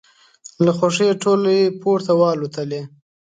له خوښیه ټولې پورته والوتلې.